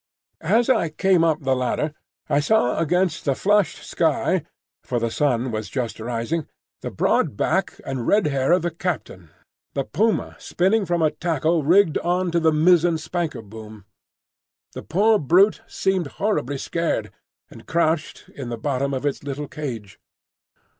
As I came up the ladder I saw against the flushed sky—for the sun was just rising—the broad back and red hair of the captain, and over his shoulder the puma spinning from a tackle rigged on to the mizzen spanker boom. The poor brute seemed horribly scared, and crouched in the bottom of its little cage.